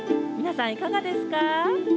皆さん、いかがですか？